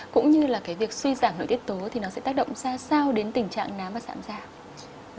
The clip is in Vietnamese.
cũng như là cái việc suy giảm nội tiết tố thì nó sẽ tác động ra sao đến tình trạng nám và sạm giảm